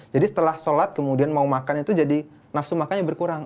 jadi setelah sholat kemudian mau makan itu jadi nafsu makannya berkurang